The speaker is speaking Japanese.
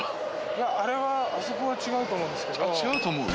いやあれはあそこは違うと思うんですけど違うと思う？